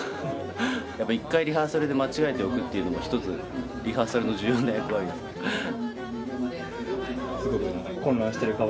やっぱ、１回リハーサルで間違えておくっていうのも１つリハーサルの重要な役割なんで。